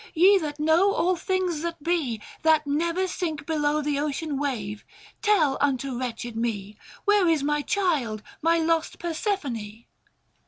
ye, that know All things that be, that never sink below The ocean wave, tell unto wretched me 655 Where is my child, my lost Persephone